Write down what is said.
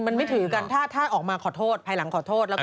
มันไม่ถืออยู่กันถ้าออกมาขอโทษภายหลังขอโทษ